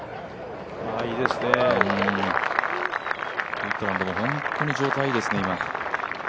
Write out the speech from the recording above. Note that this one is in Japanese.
ウッドランドも本当に状態いいですね、今。